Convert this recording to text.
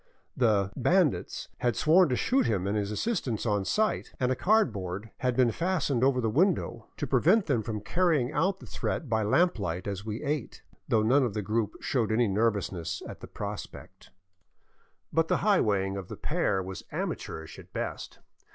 The " bandits " had sworn to shoot him and his assistants on sight, and a cardboard had been fastened over the window to pre 513 VAGABONDING DOWN THE ANDES vent them from carrying out the threat by lamp Hght as we ate, though none of the group showed any nervousness at the prospect. But the highwaying of the pair was amateurish at best.